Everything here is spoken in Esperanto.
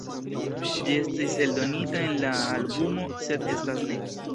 Ĝi estis eldonita en la albumo "Sed estas ne..."